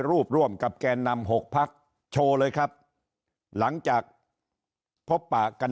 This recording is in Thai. ร่วมกับแกนนำ๖พักโชว์เลยครับหลังจากพบปะกัน